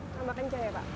tambah kencang ya pak